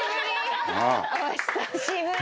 お久しぶり。